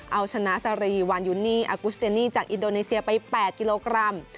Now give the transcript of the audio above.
เอาชนะซารีวานยูนี่อากุสเตนี่จากอินโดนีเซียไป๘กิโลกรัม